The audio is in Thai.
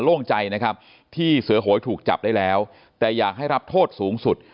โล่งใจนะครับที่เสือโหยถูกจับได้แล้วแต่อยากให้รับโทษสูงสุด